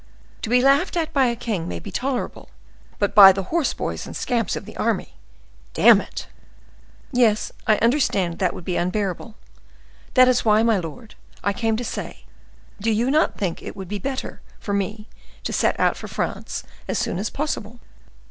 To be laughed at by a king may be tolerable, but by the horse boys and scamps of the army! Damn it!" "Yes, I understand, that would be unbearable; that is why, my lord, I came to say,—do you not think it would be better for me to set out for France as soon as possible?"